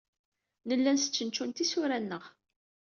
Nella nestcentcun tisura-nneɣ.